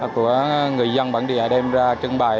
của người dân bản địa đem ra trưng bày